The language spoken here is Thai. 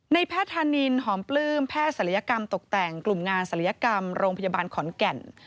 แพทย์ธานินหอมปลื้มแพทย์ศัลยกรรมตกแต่งกลุ่มงานศัลยกรรมโรงพยาบาลขอนแก่น